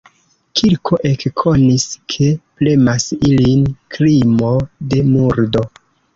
Kirko ekkonis, ke premas ilin krimo de murdo.